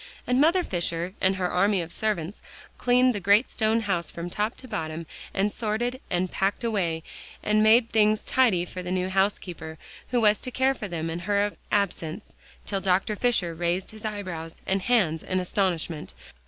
And Mother Fisher and her army of servants cleaned the great stone house from top to bottom, and sorted, and packed away, and made things tidy for the new housekeeper who was to care for them in her absence, till Dr. Fisher raised his eyebrows and hands in astonishment.